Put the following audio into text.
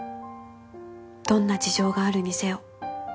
「どんな事情があるにせよ」